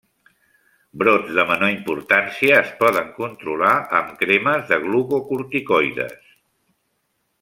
Brots de menor importància es poden controlar amb cremes de glucocorticoides.